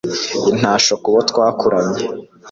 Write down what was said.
intasho kubo twa kuranye